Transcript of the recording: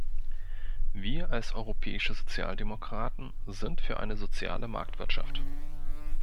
Wir als europäische Sozialdemokraten sind für eine soziale Marktwirtschaft.